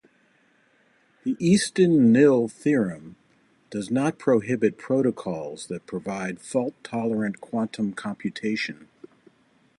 The Eastin–Knill theorem does not prohibit protocols that provide fault tolerant quantum computation.